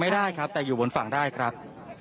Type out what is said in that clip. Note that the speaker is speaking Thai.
ไม่ได้ครับแต่อยู่บนฝั่งได้ครับ